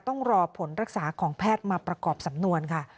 ต้องรอผลรักษาของแพทย์มาประกอบสำนวนค่ะ